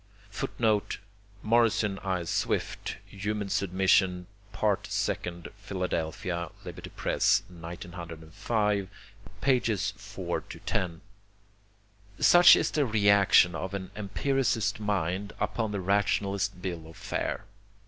[Footnote: Morrison I. Swift, Human Submission, Part Second, Philadelphia, Liberty Press, 1905, pp. 4 10.] Such is the reaction of an empiricist mind upon the rationalist bill of fare.